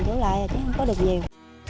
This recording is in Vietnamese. chứ không có được nhiều